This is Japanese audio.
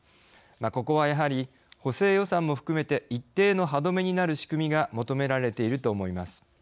ここはやはり補正予算も含めて一定の歯止めになる仕組みが求められていると思います。